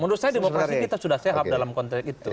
menurut saya demokrasi kita sudah sehat dalam konteks itu